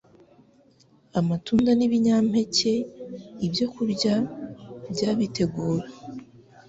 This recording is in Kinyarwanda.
[Amatunda n’ibinyampeke: ibyokurya by’abitegura